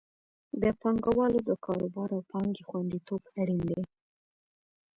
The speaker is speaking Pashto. د پانګوالو د کاروبار او پانګې خوندیتوب اړین دی.